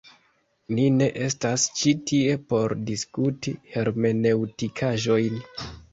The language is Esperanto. Ni ne estas ĉi tie por diskuti hermeneŭtikaĵojn!